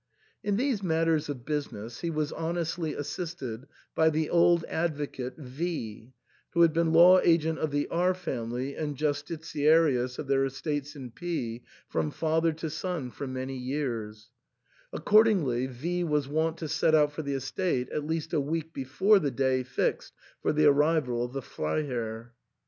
In these matters of business he was honestly assisted by the old advocate V ^ who had been law agent of the R family and Justitiarius * of their estates in P from father to son for many years ; accordingly, V was wont to set out for the estate at least a week before the day fixed for the arrival of the Freiherr.